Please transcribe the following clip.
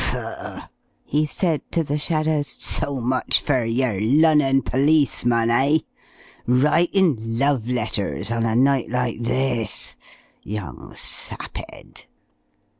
"Faugh!" he said to the shadows. "So much for yer Lunnon policeman, eh? Writin' love letters on a night like this! Young sap'ead!"